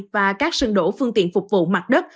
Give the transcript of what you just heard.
và các sân đổ phương tiện phục vụ mặt đất